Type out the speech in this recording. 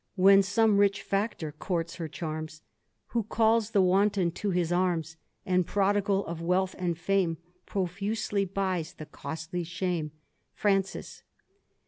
When some rich factor courts her chartns^ Who calls the wanton to his arms, And, prodigal of wealth and fame. Profusely buys the costly shame." Francis.